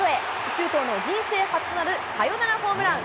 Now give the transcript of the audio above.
周東の人生初となるサヨナラホームラン。